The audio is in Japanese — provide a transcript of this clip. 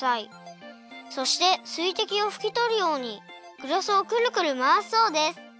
そしてすいてきをふきとるようにグラスをくるくるまわすそうです。